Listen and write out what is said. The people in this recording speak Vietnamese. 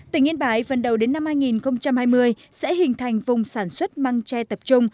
tỉnh yên bái phần đầu đến năm hai nghìn hai mươi sẽ hình thành vùng sản xuất măng tre tập trung